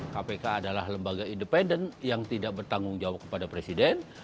kpk adalah lembaga independen yang tidak bertanggung jawab kepada presiden